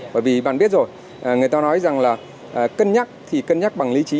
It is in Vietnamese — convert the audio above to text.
bởi vì bạn biết rồi người ta nói rằng là cân nhắc thì cân nhắc bằng lý trí